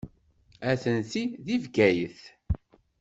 Atenti deg Bgayet.